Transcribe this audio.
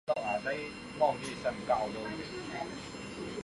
安宁薹草为莎草科薹草属下的一个种。